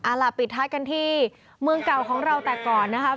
เอาล่ะปิดท้ายกันที่เมืองเก่าของเราแต่ก่อนนะคะ